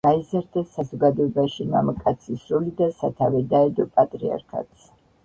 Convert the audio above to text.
გაიზარდა საზოგადოებაში მამაკაცის როლი და სათავე დაედო პატრიარქატს.